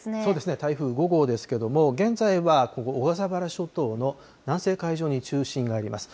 台風５号ですけれども、現在は、ここ、小笠原諸島の南西海上に中心があります。